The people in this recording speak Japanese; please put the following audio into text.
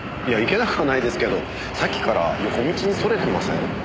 いやいけなくはないですけどさっきから横道にそれてません？